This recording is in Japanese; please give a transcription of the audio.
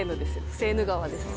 セーヌ川です。